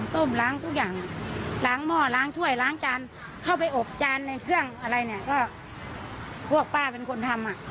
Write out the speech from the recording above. ส้มล้างทุกอย่างล้างหม้อล้างถ้วยล้างจานเข้าไปอบจานในเครื่องอะไรเนี่ยก็พวกป้าเป็นคนทำอ่ะ